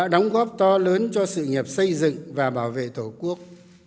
nóng góp to lớn cho sự nghiệp xây dựng và bảo vệ thổ quốc